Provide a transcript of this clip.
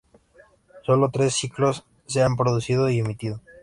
Solo tres ciclos se han producido y emitido.